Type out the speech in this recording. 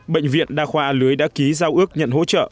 bệnh viện đa khoa a lưới đã ký giao ước nhận hỗ trợ